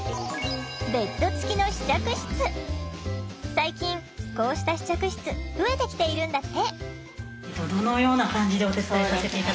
最近こうした試着室増えてきているんだって。